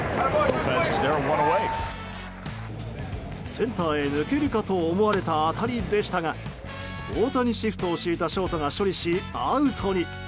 センターへ抜けるかと思われた当たりでしたが大谷シフトを敷いたショートが処理し、アウトに。